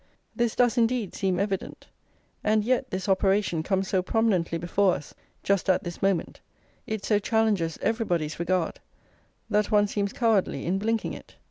This does, indeed, seem evident; and yet this operation comes so prominently before us just at this moment, it so challenges everybody's regard, that one seems cowardly in blinking it.